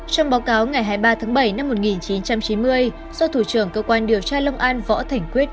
trong báo cáo ngày hai mươi ba tháng bảy năm một nghìn chín trăm chín mươi do thủ trưởng cơ quan điều tra long an võ thành quyết